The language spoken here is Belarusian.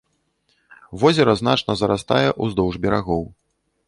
Возера значна зарастае ўздоўж берагоў.